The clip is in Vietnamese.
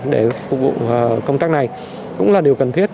để phục vụ công tác này cũng là điều cần thiết